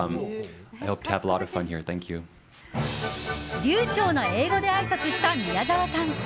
流暢な英語であいさつした宮沢さん。